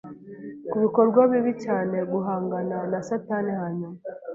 kubikorwa bibi cyane guhangana na Satani hanyuma